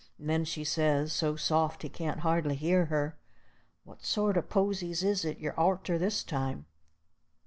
And then she says, so soft he can't hardly hear her, "What sort o' posies is it you're arter this time?"